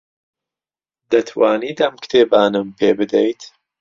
دەتوانیت ئەو کتێبانەم پێ بدەیت؟